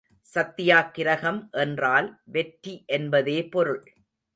சத்தியாக்கிரகம் என்றால் வெற்றி என்பதே பொருள்.